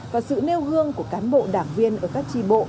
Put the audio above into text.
và sự nêu gương của cán bộ đảng viên ở các tri bộ